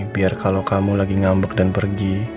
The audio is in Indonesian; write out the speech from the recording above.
biar kalau kamu lagi ngambek dan pergi